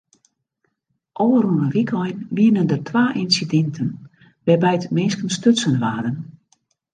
Ofrûne wykein wiene der twa ynsidinten wêrby't minsken stutsen waarden.